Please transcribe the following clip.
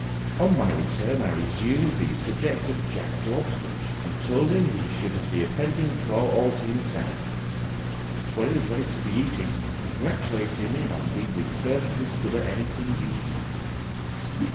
On my return, I resumed the subject of Jack's lobster, and told him he should have the offending claw all to himself, when it was ready to be eaten, congratulating him on being the first to discover anything useful.